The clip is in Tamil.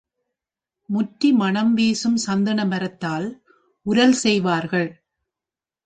முற்றி மணம் வீசும் சந்தனமரத்தால் உரல் செய்வார்கள்.